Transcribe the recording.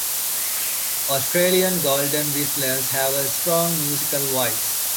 Australian golden whistlers have a strong, musical voice.